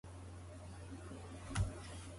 「そんなことができるのですか？」